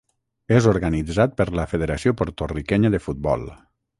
És organitzat per la Federació Porto-riquenya de Futbol.